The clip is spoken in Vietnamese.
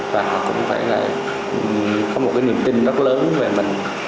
và họ cũng phải có một cái niềm tin rất lớn về mình